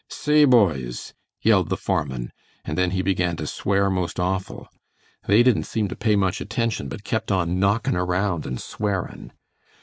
'Say, boys,' yelled the foreman, and then he began to swear most awful. They didn't seem to pay much attention, but kept on knockin' around and swearin'.